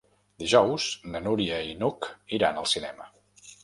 Dijous na Núria i n'Hug iran al cinema.